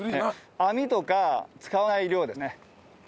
網とか使わない漁ですね。